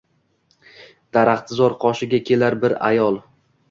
Daraxtzor qoshiga kelar bir ayol